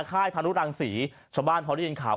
ค่ายพานุรังศรีชาวบ้านพอได้ยินข่าว